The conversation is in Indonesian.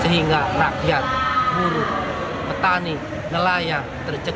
sehingga rakyat buruh